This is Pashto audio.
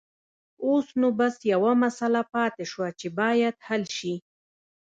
اوس نو بس يوه مسله پاتې شوه چې بايد حل شي.